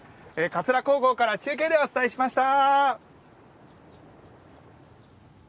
桂高校から中継でお伝えしました。